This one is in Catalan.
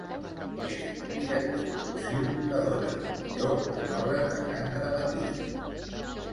És un director impulsiu que dóna el millor en obres de gran dramatisme.